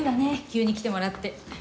急に来てもらって。